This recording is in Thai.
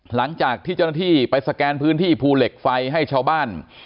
หลังจากที่เจ้าหน้าที่ไปสแกนพื้นที่ภูเหล็กไฟให้ชาวบ้าน